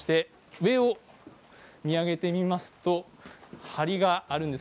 上を見上げてみますと梁があります。